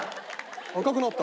「赤くなった」